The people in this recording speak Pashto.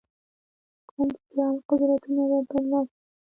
کوم سیال قدرتونه به برلاسي کېږي.